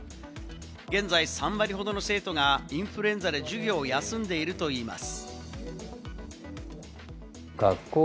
現在３割ほどの生徒がインフルエンザで授業を休んでいるといいます。